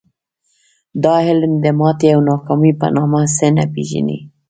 دا علم د ماتې او ناکامۍ په نامه څه نه پېژني